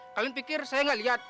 kalian pikir saya nggak lihat